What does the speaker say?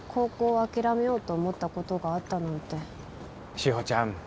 志保ちゃん。